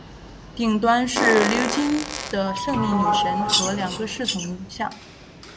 顶端是鎏金的胜利女神和两个侍从像。